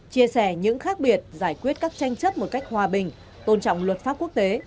chia sẻ những khác biệt giải quyết các tranh chấp một cách hòa bình tôn trọng luật pháp quốc tế